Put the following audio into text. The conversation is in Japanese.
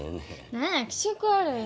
何や気色悪いなあ。